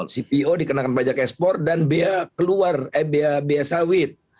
cpo dikenakan pajak ekspor dan bha keluar eh bha sawit